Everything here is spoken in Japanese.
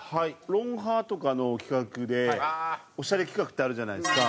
『ロンハー』とかの企画でオシャレ企画ってあるじゃないですか。